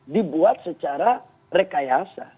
dibuat secara rekayasa